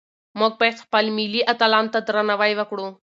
موږ باید خپل ملي اتلانو ته درناوی وکړو.